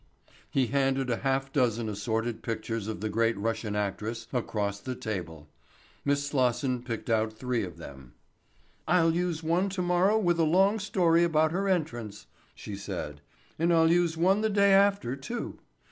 He handed a half dozen assorted pictures of the great Russian actress across the table. Miss Slosson picked out three of them. "I'll use one tomorrow morning with a long story about her entrance," she said, "and I'll use one the day after, too.